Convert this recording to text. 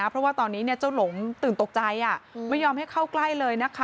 เพราะว่าตอนนี้เจ้าหลงตื่นตกใจไม่ยอมให้เข้าใกล้เลยนะคะ